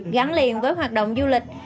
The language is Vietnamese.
gắn liền với hoạt động du lịch